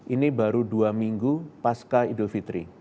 ini baru dua minggu pasca idul fitri